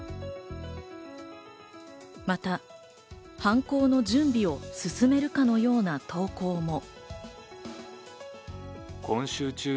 また犯行の準備を進めるかのような投稿も。